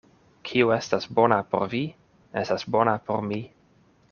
Kio estas bona por vi, estas bona por mi.